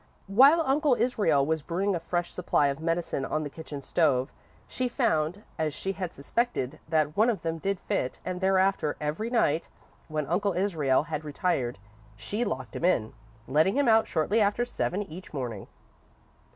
While Uncle Israel was brewing a fresh supply of medicine on the kitchen stove, she found, as she had suspected that one of them did fit, and thereafter, every night, when Uncle Israel had retired, she locked him in, letting him out shortly after seven each morning.